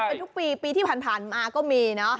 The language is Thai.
เป็นทุกปีปีที่ผ่านมาก็มีเนอะ